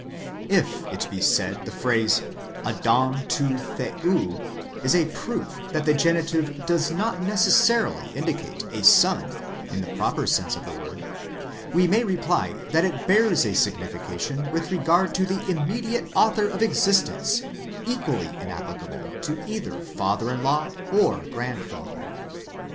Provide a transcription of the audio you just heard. If it be said the phrase Δ ΕΘΗ͂ τοῦ θεοῦ is a proof that the genitive does not necessarily indicate a son in the Les as sense of the word, we may reply that it bears a signification with regard to the immediate Author of existence equally inapplicable to either father in law or grandfather.